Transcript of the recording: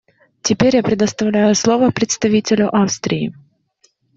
Теперь я предоставляю слово представителю Австрии.